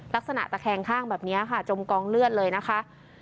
ลักษณะแตกแหงข้างแบบเนี้ยค่ะจมกองเลือดเลยนะคะ